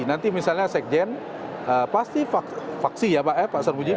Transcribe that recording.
nanti misalnya sekjen pasti vaksi ya pak sarmuji